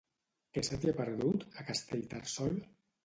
Què se t'hi ha perdut, a Castellterçol?